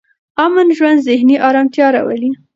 امن ژوند ذهني ارامتیا راولي.